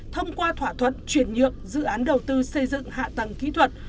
thông qua thỏa thuận chuyển nhượng dự án đầu tư xây dựng hạ tầng kỹ thuật